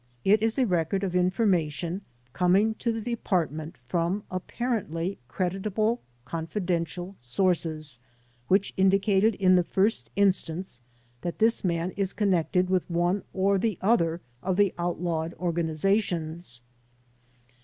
It is a record of information coming to the Department from apparently credit able confidential sources which indicated in the first instance that this man is cpnnected with one or the other of the outlawed organizations.